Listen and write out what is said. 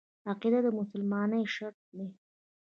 عقیده د مسلمانۍ شرط دی.